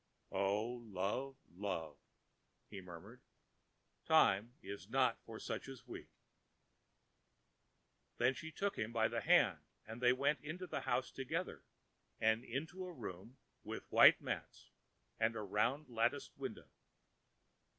ãO love, love,ã he murmured, ãtime is not for such as we.ã Then she took him by the hand, and they went into the house together and into a room with white mats and a round latticed window.